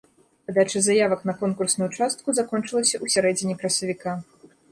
Падача заявак на конкурсную частку закончылася ў сярэдзіне красавіка.